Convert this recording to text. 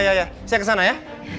saya kesana ya